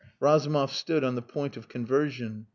Razumov stood on the point of conversion.